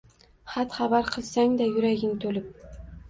Xat-xabar qilsang-da, yuraging to‘lib